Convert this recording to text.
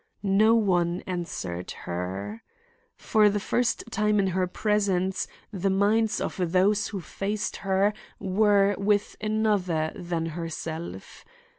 No one answered her. For the first time in her presence, the minds of those who faced her were with another than herself.